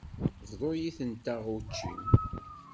Bḍu yid-nteɣ učči-m.